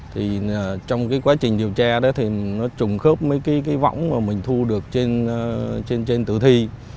trong quá trình điều tra nó trùng khớp mấy cái võng mà mình thu được trên tử thi